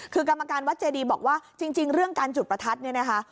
คือกรรมการวัดเจดีบอกว่าจริงเรื่องการจุดประทัดเนี่ยนะคะ